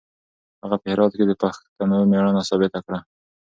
هغه په هرات کې د پښتنو مېړانه ثابته کړه.